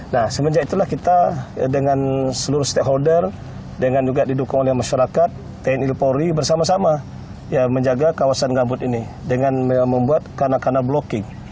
nah semenjak itulah kita dengan seluruh stakeholder dengan juga didukung oleh masyarakat tni dan polri bersama sama menjaga kawasan gambut ini dengan membuat kanak kanak blocking